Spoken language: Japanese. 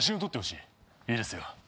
いいですよ。